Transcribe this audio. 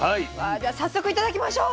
では早速頂きましょう。